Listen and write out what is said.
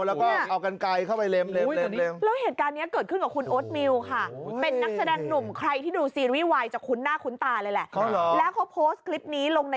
แต่เหตุการณ์นี้ที่เกิดขึ้น